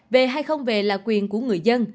về hay không về là quyền của người dân